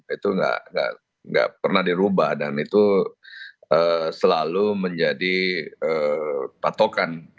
itu tidak pernah dirubah dan itu selalu menjadi patokan